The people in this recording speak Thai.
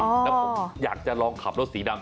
แล้วผมอยากจะลองขับรถสีดำ